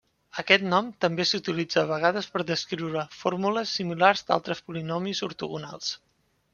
Aquest nom també s'utilitza a vegades per descriure fórmules similars d'altres polinomis ortogonals.